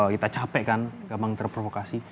kita capek kan gampang terprovokasi